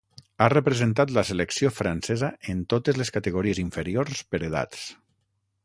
Ha representat la selecció francesa en totes les categories inferiors per edats.